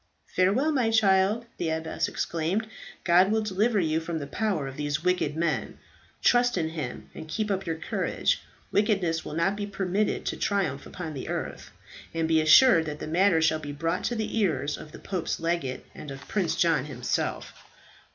"Farewell, my child," the abbess exclaimed. "God will deliver you from the power of these wicked men. Trust in Him, and keep up your courage. Wickedness will not be permitted to triumph upon the earth; and be assured that the matter shall be brought to the ears of the pope's legate, and of Prince John himself."